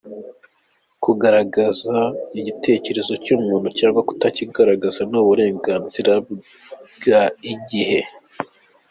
Kugaragaza igitekerezo cyumuntu cyangwa kutakigaragaza ni uburenganzira bwa igihe.